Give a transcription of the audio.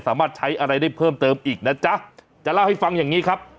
สามารถใช้อะไรได้เพิ่มเติมอีกนะจ๊ะจะเล่าให้ฟังอย่างนี้ครับ